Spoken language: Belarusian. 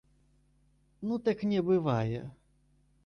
Ну так не бывае.